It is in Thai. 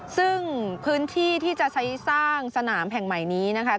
ซึ่งพื้นที่ที่จะใช้สร้างสนามแห่งใหม่นี้นะคะ